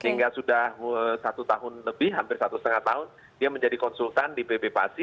sehingga sudah satu tahun lebih hampir satu setengah tahun dia menjadi konsultan di pb pasi